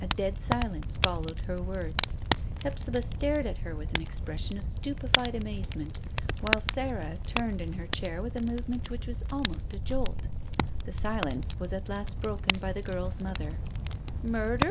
A dead silence followed her words. Hephzibah stared at her with an expression of stupefied amazement, while Sarah turned in her chair with a movement which was almost a jolt. The silence was at last broken by the girl's mother. "Murder?